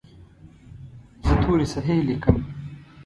زه توري صحیح لیکم.